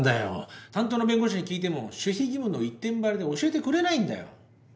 担当の弁護士に聞いても守秘義務の一点張りで教えてくれないんだよ。